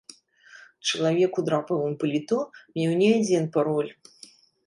Чалавек у драпавым паліто меў не адзін пароль.